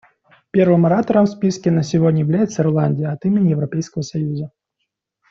Первым оратором в списке на сегодня является Ирландия от имени Европейского союза.